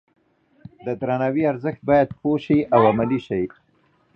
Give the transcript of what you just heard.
د درناوي ارزښت باید پوه شي او عملي شي.